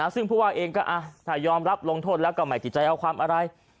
ซึ่งผู้ว่าเองก็ถ้ายอมรับลงโทษแล้วก็ไม่ติดใจเอาความอะไร